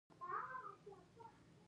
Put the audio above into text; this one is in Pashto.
چې موبایل مې خلاص کړ تاند پاڼه خلاصه وه.